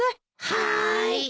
はい。